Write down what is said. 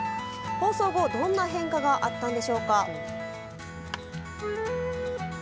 放送後どんな変化があったのでしょうか。